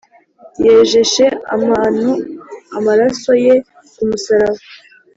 Yejeshe abantu amaraso ye kumusaraba